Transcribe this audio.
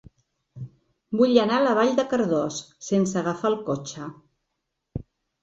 Vull anar a Vall de Cardós sense agafar el cotxe.